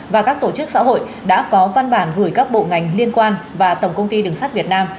và các tổ chức xã hội đã có văn bản gửi các bộ ngành liên quan và tổng công ty đường sắt việt nam